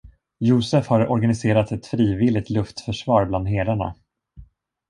Josef har organiserat ett frivilligt luftförsvar bland herdarna.